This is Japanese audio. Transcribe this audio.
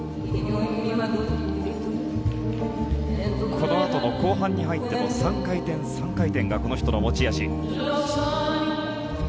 このあとも後半に入っても３回転、３回転がこの人の持ち味。